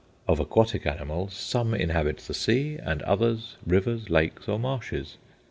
Of aquatic animals, some inhabit the sea, and others rivers, lakes, or marshes.